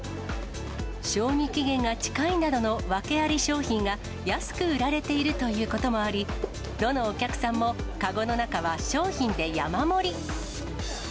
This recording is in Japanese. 賞味期限が近いなどの訳あり商品が安く売られているということもあり、どのお客さんも籠の中は商品で山盛り。